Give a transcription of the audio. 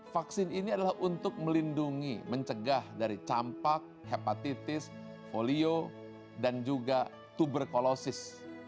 vaksin ini adalah untuk melindungi mencegah dari campak hepatitis folio dan juga tuberkulosis